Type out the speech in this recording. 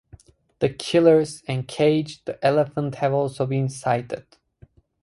The Killers and Cage the Elephant have also been cited.